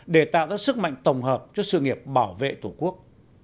để tạo ra sức mạnh tổng hợp cho sự nghiệp bảo vệ tổ quốc